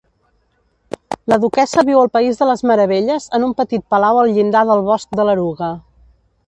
La duquessa viu al País de les Meravelles en un petit palau al llindar del bosc de l'Eruga.